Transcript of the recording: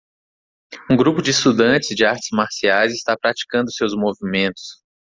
Um grupo de estudantes de artes marciais está praticando seus movimentos.